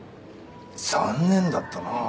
残念だったなぁ。